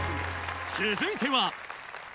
続いては。